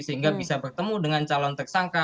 sehingga bisa bertemu dengan calon tersangka